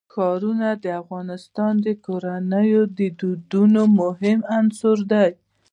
ښارونه د افغان کورنیو د دودونو مهم عنصر دی.